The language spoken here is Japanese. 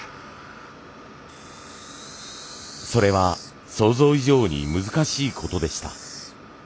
それは想像以上に難しいことでした。